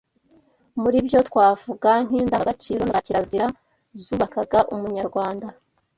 Muri byo twavuga nk’indangagaciro na za kirazira zubakaga umunyarwanda